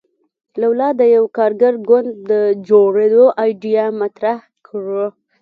لولا د یوه کارګر ګوند د جوړېدو ایډیا مطرح کړه.